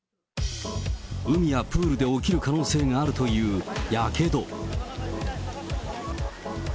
海やプールで起きる可能性があるというやけど。